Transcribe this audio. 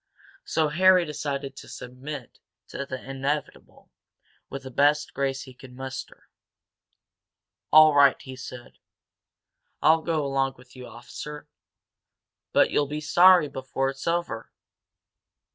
So Harry decided to submit to the inevitable with the best grace he could muster. "All right," he said. "I'll go along with you, officer. But you'll be sorry before it's over!"